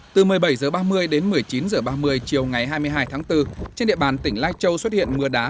từ một mươi bảy h ba mươi đến một mươi chín h ba mươi chiều ngày hai mươi hai tháng bốn trên địa bàn tỉnh lai châu xuất hiện mưa đá